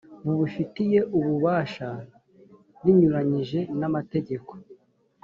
bubifitiye ububasha rinyuranyije n amategeko